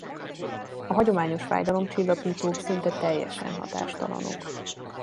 A hagyományos fájdalomcsillapítók szinte teljesen hatástalanok.